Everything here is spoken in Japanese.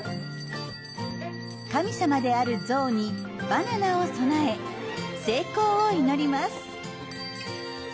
神様であるゾウにバナナを供え成功を祈ります。